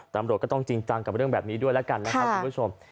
ตำรวจก็ต้องจริงจังกับเรื่องแบบนี้ด้วยแล้วกันนะครับคุณผู้ชม